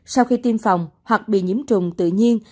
sau khi tiêm phòng hoặc bị nhiễm trùng tự nhiên